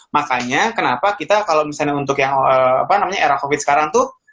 makanya kenapa kita kalau misalnya untuk yang apa namanya era covid sekarang tuh